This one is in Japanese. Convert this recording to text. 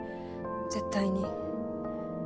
絶対に。